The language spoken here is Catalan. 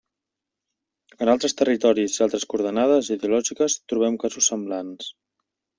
En altres territoris i altres coordenades ideològiques trobem casos semblants.